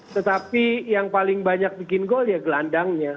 tetapi yang paling banyak bikin gol ya gelandangnya